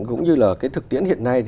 cũng như là cái thực tiễn hiện nay